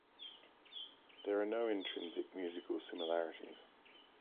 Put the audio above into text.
There are no intrinsic musical similarities.